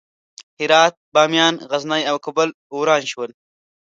هرات، بامیان، غزني او کابل وران شول.